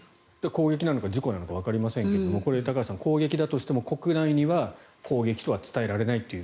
攻撃なのか事故なのかわかりませんが、高橋さん攻撃だとしても国内には攻撃だと伝えられないと。